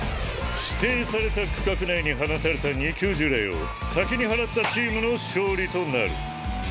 指定された区画内に放たれた二級呪霊を先に祓ったチームの勝利となる。